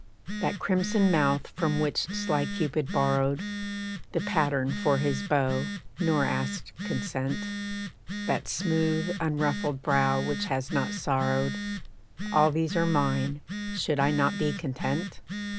That crimson mouth from which sly Cupid borrowed The pattern for his bow, nor asked consent; That smooth, unruffled brow which has not sorrowed All these are mine; should I not be content?